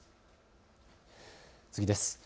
次です。